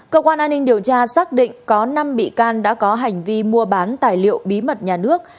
cơ quan an ninh điều tra xác định có năm bị can đã có hành vi mua bán tài liệu bí mật nhà nước